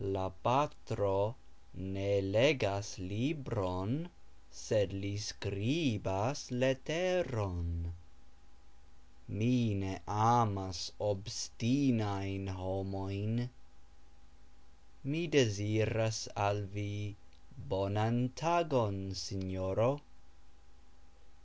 La patro ne legas libron, sed li skribas leteron. Mi ne amas obstinajn homojn. Mi deziras al vi bonan tagon, sinjoro.